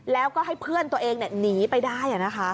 แล้วก็ให้เพื่อนตัวเองนี่หนีไปได้อะนะคะ